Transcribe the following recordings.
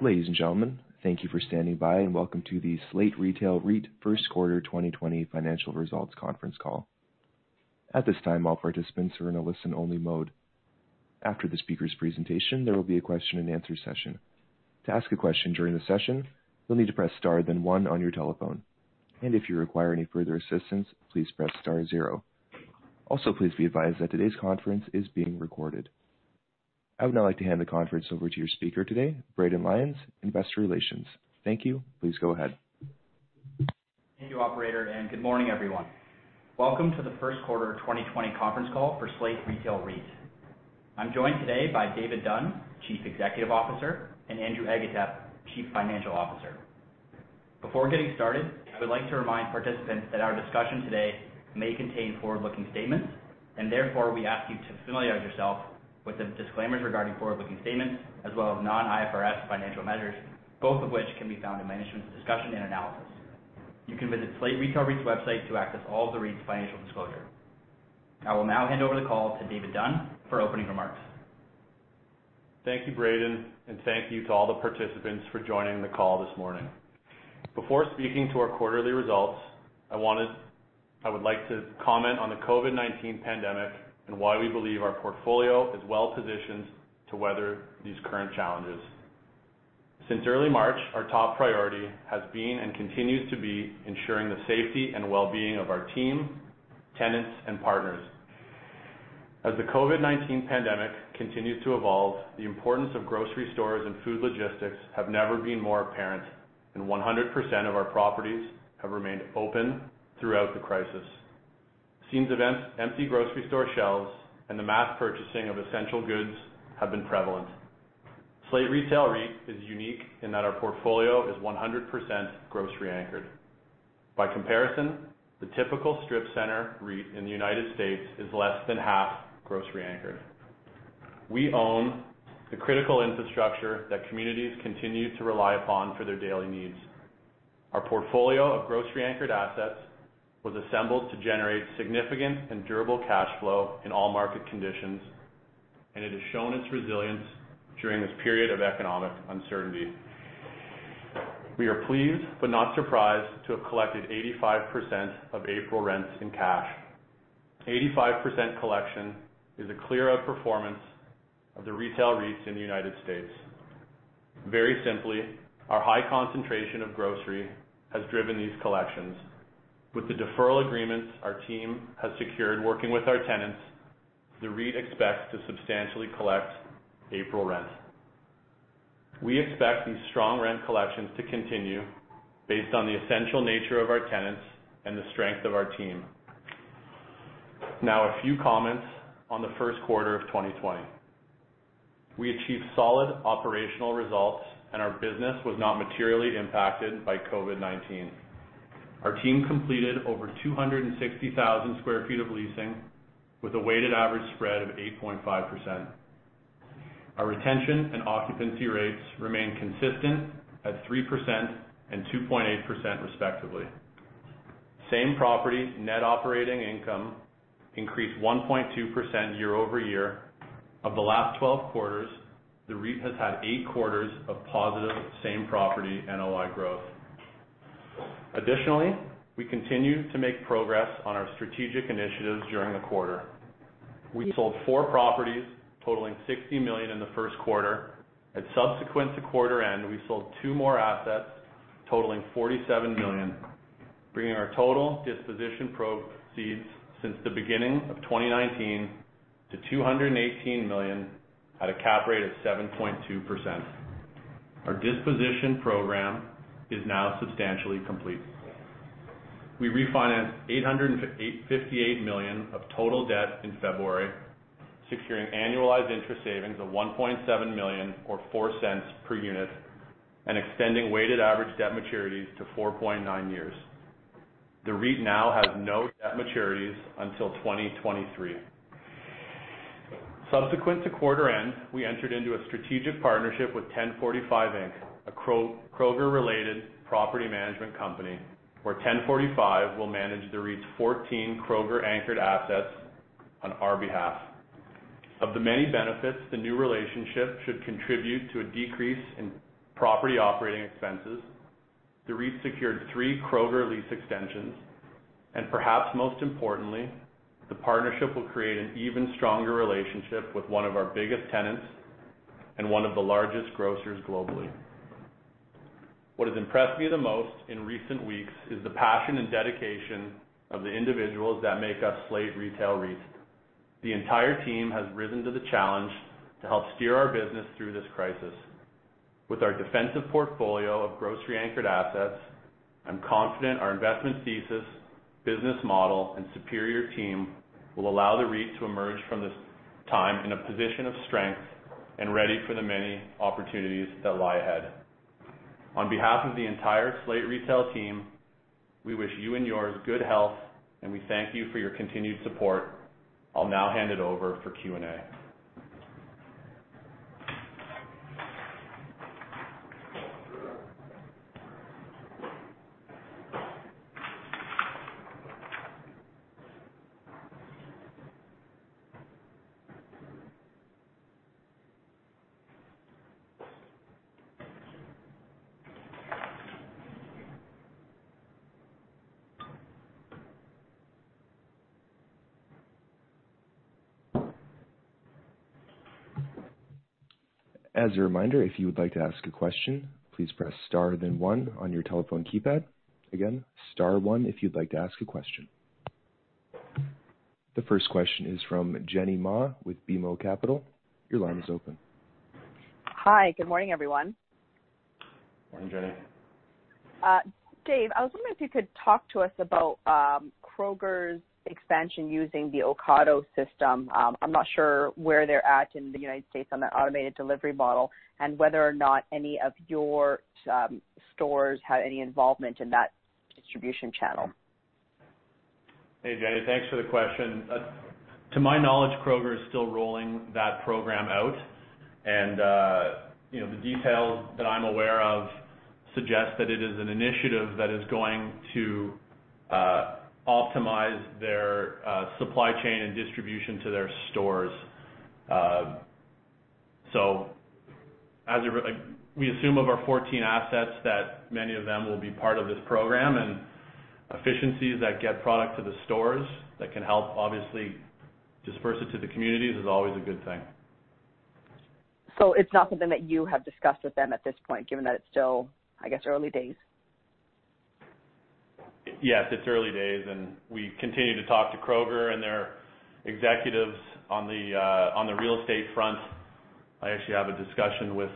Ladies and gentlemen, thank you for standing by, and Welcome to the Slate Grocery REIT First Quarter 2020 Financial Results Conference Call. At this time, all participants are in a listen-only mode. After the speaker's presentation, there will be a question and answer session. To ask a question during the session, you'll need to press star then one on your telephone. If you require any further assistance, please press star zero. Also, please be advised that today's conference is being recorded. I would now like to hand the conference over to your speaker today, Braden Lyons, Investor Relations. Thank you. Please go ahead. Thank you, operator, and good morning, everyone. Welcome to the first quarter 2020 conference call for Slate Grocery REIT. I'm joined today by David Dunn, Chief Executive Officer, and Andrew Agatep, Chief Financial Officer. Before getting started, I would like to remind participants that our discussion today may contain forward-looking statements, and therefore, we ask you to familiarize yourself with the disclaimers regarding forward-looking statements, as well as non-IFRS financial measures, both of which can be found in management's discussion and analysis. You can visit Slate Grocery REIT's website to access all of the REIT's financial disclosure. I will now hand over the call to David Dunn for opening remarks. Thank you, Braden, and thank you to all the participants for joining the call this morning. Before speaking to our quarterly results, I would like to comment on the COVID-19 pandemic and why we believe our portfolio is well-positioned to weather these current challenges. Since early March, our top priority has been and continues to be ensuring the safety and well-being of our team, tenants, and partners. As the COVID-19 pandemic continues to evolve, the importance of grocery stores and food logistics have never been more apparent, and 100% of our properties have remained open throughout the crisis. Scenes of empty grocery store shelves and the mass purchasing of essential goods have been prevalent. Slate Grocery REIT is unique in that our portfolio is 100% grocery anchored. By comparison, the typical strip center REIT in the U.S. is less than half grocery anchored. We own the critical infrastructure that communities continue to rely upon for their daily needs. Our portfolio of grocery anchored assets was assembled to generate significant and durable cash flow in all market conditions, and it has shown its resilience during this period of economic uncertainty. We are pleased but not surprised to have collected 85% of April rents in cash. 85% collection is a clear outperformance of the retail REITs in the United States. Very simply, our high concentration of grocery has driven these collections. With the deferral agreements our team has secured working with our tenants, the REIT expects to substantially collect April rent. We expect these strong rent collections to continue based on the essential nature of our tenants and the strength of our team. Now, a few comments on Q1 2020. We achieved solid operational results, and our business was not materially impacted by COVID-19. Our team completed over 260,000 sq ft of leasing with a weighted average spread of 8.5%. Our retention and occupancy rates remain consistent at 3% and 2.8%, respectively. Same property net operating income increased 1.2% year-over-year. Of the last 12 quarters, the REIT has had eight quarters of positive same property NOI growth. Additionally, we continue to make progress on our strategic initiatives during the quarter. We sold four properties totaling $60 million in the first quarter, and subsequent to quarter end, we sold two more assets totaling $47 million, bringing our total disposition proceeds since the beginning of 2019 to $218 million at a cap rate of 7.2%. Our disposition program is now substantially complete. We refinanced $858 million of total debt in February, securing annualized interest savings of $1.7 million or $0.04 per unit, and extending weighted average debt maturities to 4.9 years. The REIT now has no debt maturities until 2023. Subsequent to quarter end, we entered into a strategic partnership with 1045 Inc., a Kroger-related property management company, where 1045 will manage the REIT's 14 Kroger anchored assets on our behalf. Of the many benefits, the new relationship should contribute to a decrease in property operating expenses. The REIT secured three Kroger lease extensions, and perhaps most importantly, the partnership will create an even stronger relationship with one of our biggest tenants and one of the largest grocers globally. What has impressed me the most in recent weeks is the passion and dedication of the individuals that make up Slate Grocery REIT. The entire team has risen to the challenge to help steer our business through this crisis. With our defensive portfolio of grocery anchored assets, I'm confident our investment thesis, business model, and superior team will allow the REIT to emerge from this time in a position of strength and ready for the many opportunities that lie ahead. On behalf of the entire Slate Grocery REIT team, we wish you and yours good health, and we thank you for your continued support. I'll now hand it over for Q&A. As a reminder, if you would like to ask a question, please press star, then one on your telephone keypad. Again, star one if you'd like to ask a question. The first question is from Jenny Ma with BMO Capital. Your line is open. Hi. Good morning, everyone. Morning, Jenny. David, I was wondering if you could talk to us about Kroger's expansion using the Ocado system. I'm not sure where they're at in the U.S. on that automated delivery model and whether or not any of your stores have any involvement in that distribution channel. Hey, Jenny. Thanks for the question. To my knowledge, Kroger is still rolling that program out. The details that I'm aware of suggest that it is an initiative that is going to optimize their supply chain and distribution to their stores. We assume of our 14 assets that many of them will be part of this program, and efficiencies that get product to the stores that can help, obviously, disperse it to the communities is always a good thing. It's not something that you have discussed with them at this point, given that it's still, I guess, early days. Yes, it's early days, and we continue to talk to Kroger and their executives on the real estate front. I actually have a discussion with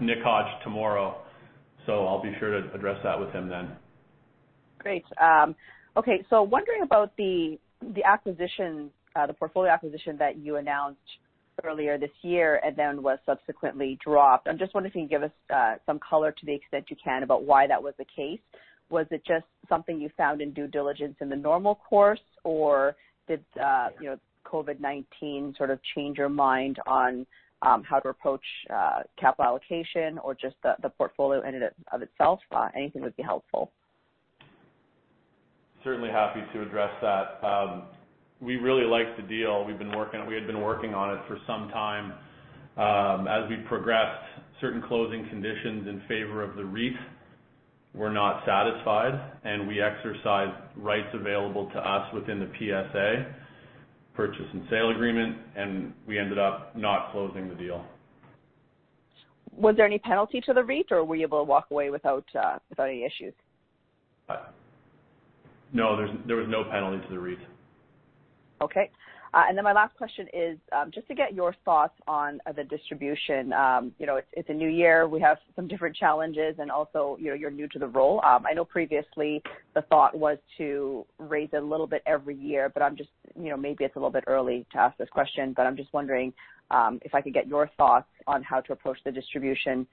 Nick Hodge tomorrow, so I'll be sure to address that with him then. Great. Okay. Wondering about the portfolio acquisition that you announced earlier this year and then was subsequently dropped. I'm just wondering if you can give us some color to the extent you can about why that was the case. Was it just something you found in due diligence in the normal course, or did COVID-19 sort of change your mind on how to approach capital allocation or just the portfolio in and of itself? Anything would be helpful. Certainly happy to address that. We really liked the deal. We had been working on it for some time. As we progressed, certain closing conditions in favor of the REIT were not satisfied. We exercised rights available to us within the PSA, purchase and sale agreement. We ended up not closing the deal. Was there any penalty to the REIT, or were you able to walk away without any issues? No, there was no penalty to the REIT. Okay. My last question is, just to get your thoughts on the distribution. It's a new year. We have some different challenges, and also, you're new to the role. I know previously the thought was to raise a little bit every year, but maybe it's a little bit early to ask this question. I'm just wondering if I could get your thoughts on how to approach the distribution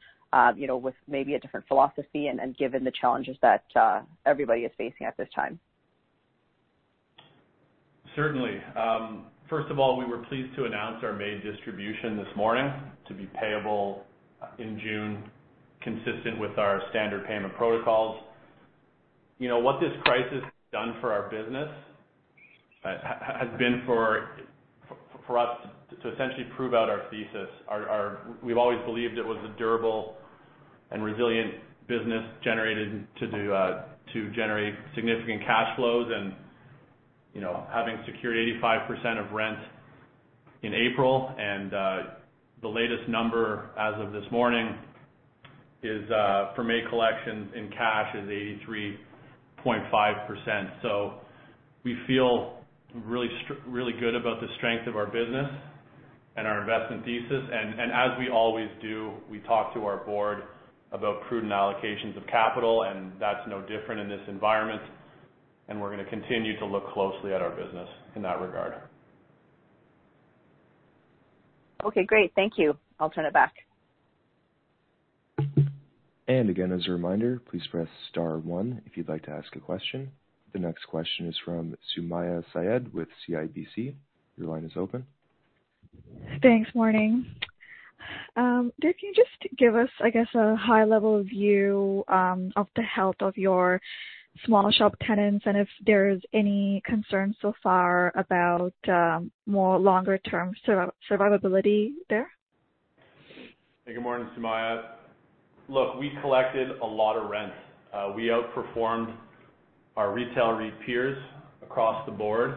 with maybe a different philosophy and given the challenges that everybody is facing at this time. Certainly. First of all, we were pleased to announce our May distribution this morning to be payable in June, consistent with our standard payment protocols. What this crisis has done for our business has been for us to essentially prove out our thesis. We've always believed it was a durable and resilient business to generate significant cash flows. Having secured 85% of rent in April, and the latest number as of this morning for May collections in cash is 83.5%. We feel really good about the strength of our business and our investment thesis. As we always do, we talk to our board about prudent allocations of capital, and that's no different in this environment. We're going to continue to look closely at our business in that regard. Okay, great. Thank you. I'll turn it back. Again, as a reminder, please press star one if you'd like to ask a question. The next question is from Sumayya Syed with CIBC World Markets. Your line is open. Thanks. Morning. David, can you just give us, I guess, a high-level view of the health of your small shop tenants and if there is any concern so far about more longer-term survivability there? Good morning, Sumayya. We collected a lot of rent. We outperformed our retail REIT peers across the board.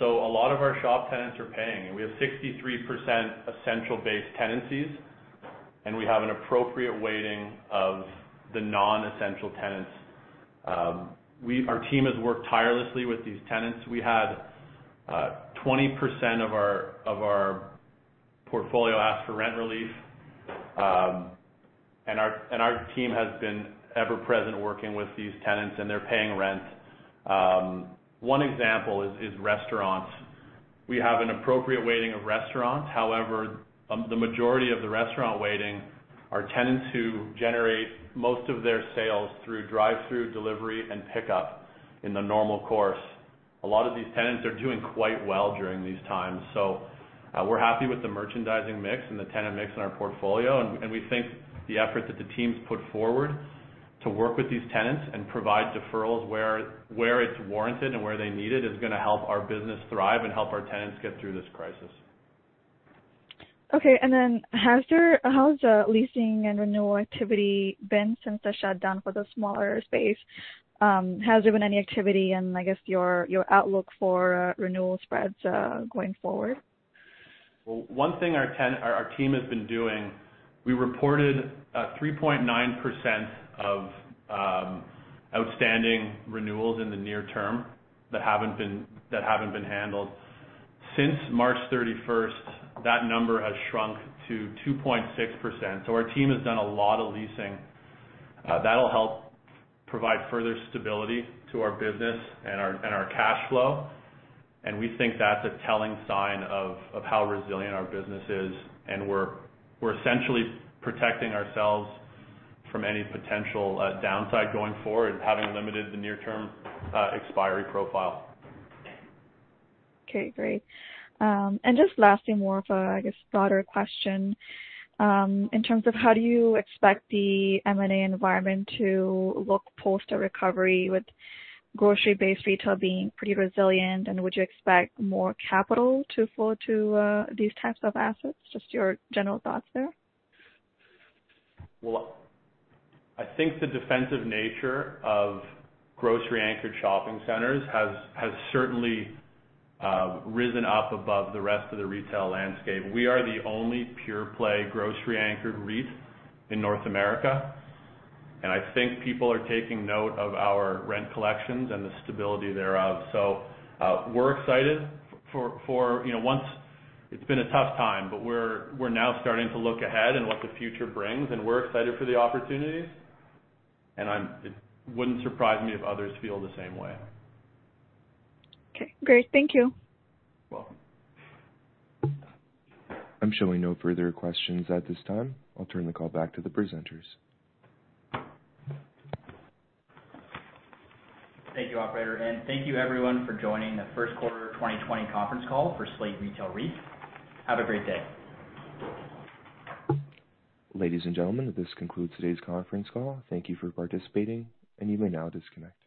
A lot of our shop tenants are paying, and we have 63% essential-based tenancies, and we have an appropriate weighting of the non-essential tenants. Our team has worked tirelessly with these tenants. We had 20% of our portfolio ask for rent relief, and our team has been ever present working with these tenants, and they're paying rent. One example is restaurants. We have an appropriate weighting of restaurants. The majority of the restaurant weighting are tenants who generate most of their sales through drive-through, delivery, and pickup in the normal course. A lot of these tenants are doing quite well during these times. We're happy with the merchandising mix and the tenant mix in our portfolio, and we think the effort that the team's put forward to work with these tenants and provide deferrals where it's warranted and where they need it is going to help our business thrive and help our tenants get through this crisis. Okay. How has the leasing and renewal activity been since the shutdown for the smaller space? Has there been any activity, and I guess, your outlook for renewal spreads going forward? One thing our team has been doing, we reported 3.9% of outstanding renewals in the near term that haven't been handled. Since March 31st, that number has shrunk to 2.6%. Our team has done a lot of leasing. That'll help provide further stability to our business and our cash flow. We think that's a telling sign of how resilient our business is, and we're essentially protecting ourselves from any potential downside going forward, having limited the near-term expiry profile. Okay, great. Just lastly, more of a, I guess, broader question. In terms of how do you expect the M&A environment to look post a recovery with grocery-based retail being pretty resilient, and would you expect more capital to flow to these types of assets? Just your general thoughts there. I think the defensive nature of grocery-anchored shopping centers has certainly risen up above the rest of the retail landscape. We are the only pure-play grocery-anchored REIT in North America, and I think people are taking note of our rent collections and the stability thereof. We're excited for once. It's been a tough time, but we're now starting to look ahead and what the future brings, and we're excited for the opportunities. It wouldn't surprise me if others feel the same way. Okay, great. Thank you. You're welcome. I'm showing no further questions at this time. I'll turn the call back to the presenters. Thank you, operator, and thank you everyone for joining the first quarter 2020 conference call for Slate Grocery REIT. Have a great day. Ladies and gentlemen, this concludes today's conference call. Thank you for participating, and you may now disconnect.